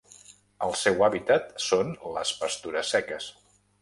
El seu hàbitat són les pastures seques.